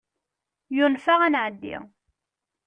Yunef-aɣ ad nɛeddi.